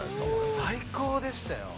最高でしたよ。